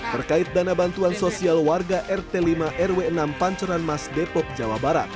terkait dana bantuan sosial warga rt lima rw enam pancoran mas depok jawa barat